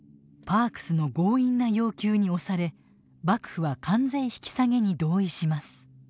パークスの強引な要求に押され幕府は関税引き下げに同意します。